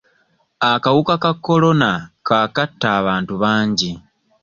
Akawuka ka Corona kaakatta abantu bangi.